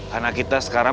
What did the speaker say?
karena kita sekarang